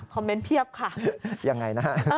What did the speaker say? คอมเมนต์เพียบค่ะ